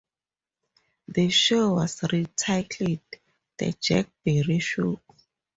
The show was re-titled "The Jack Barry Show".